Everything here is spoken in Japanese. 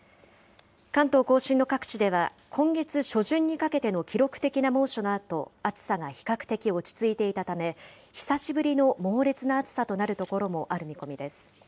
関東甲信の各地では、今月初旬にかけての記録的な猛暑のあと、暑さが比較的落ち着いていたため、久しぶりの猛烈な暑さとなる所もある見込みです。